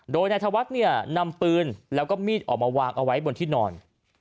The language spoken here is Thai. โดยนายธวัฒน์เนี่ยนำปืนแล้วก็มีดออกมาวางเอาไว้บนที่นอน